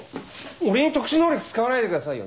俺に特殊能力使わないでくださいよ。